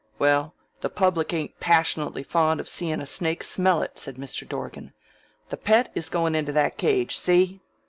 "Well, the public ain't pashnutly fond of seein' a snake smell it," said Mr. Dorgan. "The Pet is goin' into that cage see?"